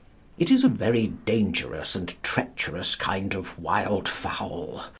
It is a very dangerous and treacherous kind of wild fowl.